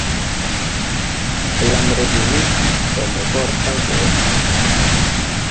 Blam rege ni ndɔ mo kɔr saŋ ɓɔ gɔ!